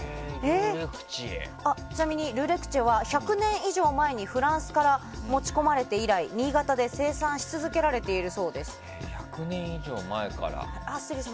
ちなみにル・レクチェは１００年以上前にフランスから持ち込まれて以来新潟で生産し続けられているそうです。